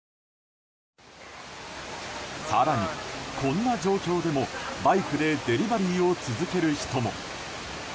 更にこんな状況でも、バイクでデリバリーを続ける人も。